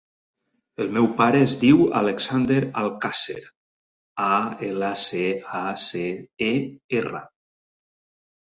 El meu pare es diu Alexander Alcacer: a, ela, ce, a, ce, e, erra.